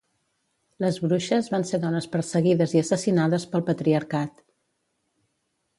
Les bruixes van ser dones perseguides i assassinades pel patriarcat.